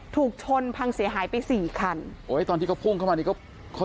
ถูกชนพังเสียหายไปสี่คันโอ้ยตอนที่เขาพุ่งเข้ามานี่ก็